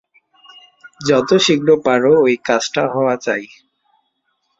যত শীঘ্র পার ঐ কাজটা হওয়া চাই।